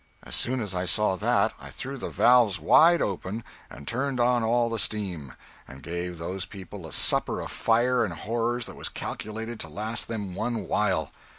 As soon as I saw that, I threw the valves wide open and turned on all the steam, and gave those people a supper of fire and horrors that was calculated to last them one while!